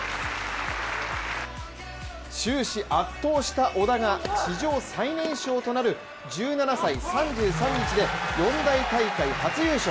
終始圧倒した小田が史上最年少となる１７歳３３日で四大大会初優勝。